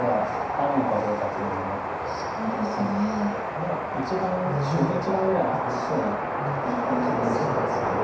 眼は１眼後手１眼ぐらいありそうな気もしますけど。